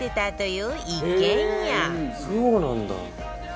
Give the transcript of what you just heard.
「そうなんだ」